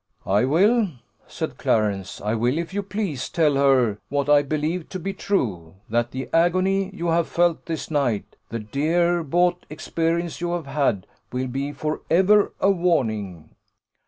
"I will," said Clarence, "I will, if you please, tell her what I believe to be true, that the agony you have felt this night, the dear bought experience you have had, will be for ever a warning."